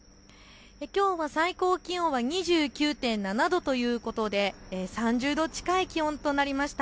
きょうは最高気温は２９．７度ということで３０度近い気温となりました。